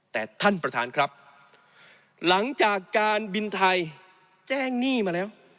แต่ท่านประธานครับหลังจากการบินไทยแจ้งหนี้มาแล้ว